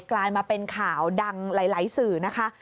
กลายมาเป็นข่าวดังหลายสื่อนะคะ